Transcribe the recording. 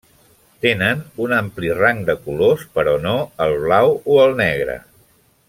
Tenen un ampli rang de colors, però no el blau o el negre.